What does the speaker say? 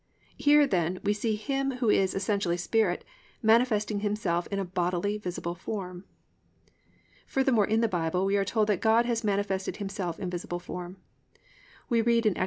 "+ Here, then, we see Him who was essentially spirit manifesting Himself in a bodily, visible form. Furthermore in the Bible we are told that God has manifested Himself in visible form. We read in Ex.